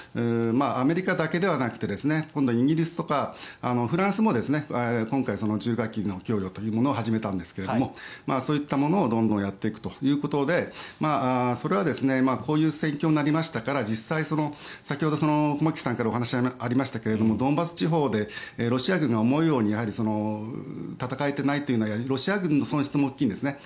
アメリカだけではなくて今度はイギリスとかフランスも今回、重火器の供与というのを始めたんですけれどもそういったものをどんどんやっていくということでそれはこういう戦況になりましたから実際、先ほど駒木さんからお話がありましたがドンバス地方でロシア軍が思うように戦えてないというのはロシア軍の損失も大きいんですね。